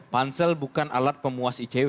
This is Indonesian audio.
pansel bukan alat pemuas icw